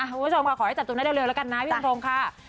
ผู้ชมค่ะขอให้จัดจุดได้เร็วละกันนะพี่ทงทงค่ะ